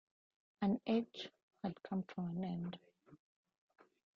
An age had come to an end.